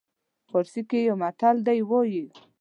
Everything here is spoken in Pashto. پارسي کې یو متل دی وایي.